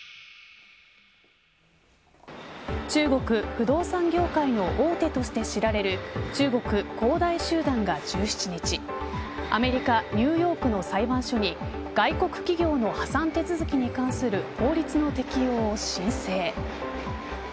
中国不動産業界の大手として知られる中国恒大集団が１７日アメリカ・ニューヨークの裁判所に外国企業の破産手続きに関する法律の適用を申請。